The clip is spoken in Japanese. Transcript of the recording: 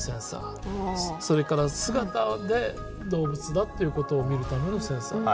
それから姿で動物だっていうことを見るためのセンサー。